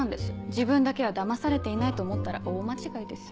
自分だけはだまされていないと思ったら大間違いですよ。